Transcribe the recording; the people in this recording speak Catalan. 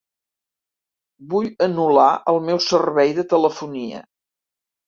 Vull anul·lar el meu servei de telefonia.